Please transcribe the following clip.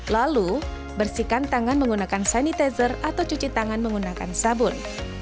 lalu bersihkan tangan menggunakan sanitizer atau cuci tangan menggunakan sabun